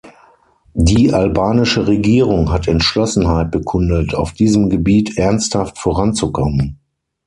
Die albanische Regierung hat Entschlossenheit bekundet, auf diesem Gebiet ernsthaft voranzukommen.